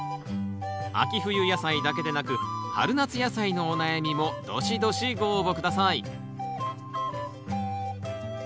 秋冬野菜だけでなく春夏野菜のお悩みもどしどしご応募下さい。